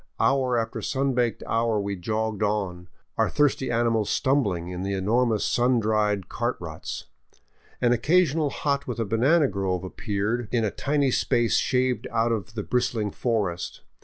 Hour after sun baked hour we jogged on, our thirsty animals stumbling in the enormous sun dried cart ruts. An occasional hut with a banana grove appeared in a tiny space shaved out of the bristling forest.